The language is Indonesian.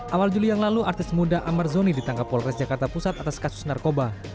awal juli yang lalu artis muda amar zoni ditangkap polres jakarta pusat atas kasus narkoba